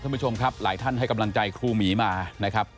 ท่านผู้ชมครับหลายท่านให้กำลังใจครูหมีมานะครับ